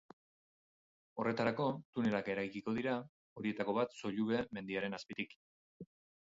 Horretarako, tunelak eraikiko dira, horietako bat Sollube mendiaren azpitik.